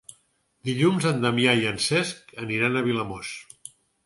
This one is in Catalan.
Dilluns en Damià i en Cesc aniran a Vilamòs.